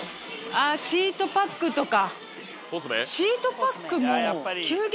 あシートパックとか。